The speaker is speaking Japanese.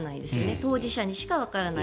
当事者にしかわからない。